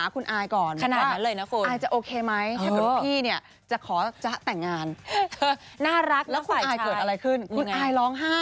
เขาโทรมาหาคุณอายก่อน